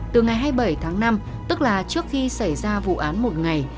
từ ngày hai mươi bảy tháng năm tức là trước khi xảy ra vụ án một ngày